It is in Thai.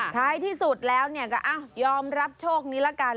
ท้ายที่สุดแล้วก็ยอมรับโชคนี้ละกัน